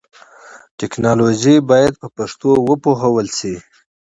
ټکنالوژي باید په پښتو وپوهول شي.